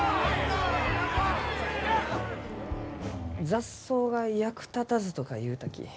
「雑草が役立たず」とか言うたき。